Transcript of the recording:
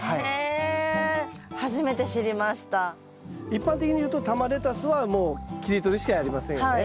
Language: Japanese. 一般的にいうと玉レタスはもう切り取りしかやりませんよね。